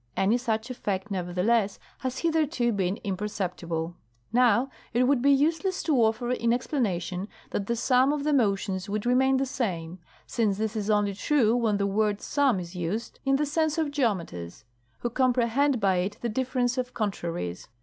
Any such effect, nevertheless, has hitherto been imperceptible. Now, it would be useless to offer in explanation that the sum of the motions would remain the same, since this is only true when the word sum is used in the sense of geometers, who comprehend by it the differ ence of contraries.